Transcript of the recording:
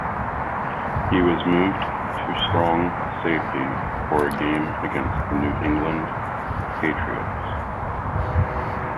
He was moved to strong safety for a game against the New England Patriots.